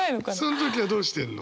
その時はどうしてんの？